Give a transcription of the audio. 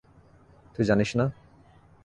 তুই জানিস না?